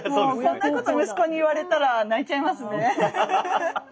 そんなこと息子に言われたら泣いちゃいますね。